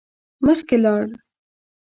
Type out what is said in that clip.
مخکی لاړل.